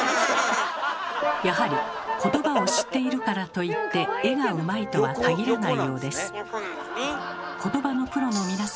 やはりことばを知っているからといって絵がうまいとは限らないようです。